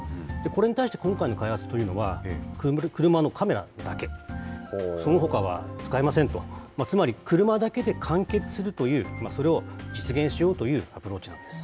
これに対して今回の開発というのは、車のカメラだけ、そのほかは使いませんと、つまり車だけで完結するという、それを実現しようというアプローチなんです。